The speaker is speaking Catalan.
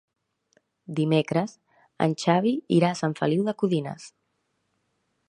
Dimecres en Xavi irà a Sant Feliu de Codines.